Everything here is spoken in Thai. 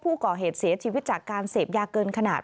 ผู้เสียชีวิตจากการเสพยาเกินขนาด